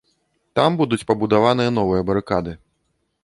Там будуць пабудаваныя новыя барыкады.